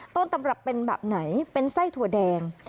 ต้นตำรับเป็นแบบไหนเป็นไส้ถั่วแดง